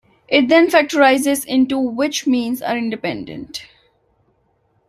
If then factorizes into which means are independent.